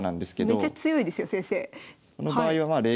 めちゃ強いですよ先生。